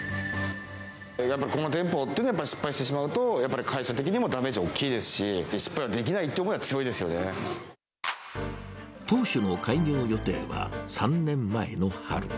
やっぱり、この店舗っていうのを失敗してしまうと、やっぱり会社的にもダメージ大きいですし、失敗はできないってい当初の開業予定は３年前の春。